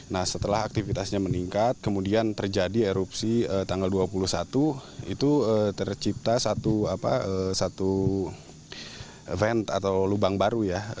nah setelah aktivitasnya meningkat kemudian terjadi erupsi tanggal dua puluh satu itu tercipta satu ven atau lubang baru ya